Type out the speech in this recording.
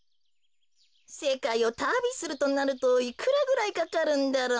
せかいをたびするとなるといくらぐらいかかるんだろう。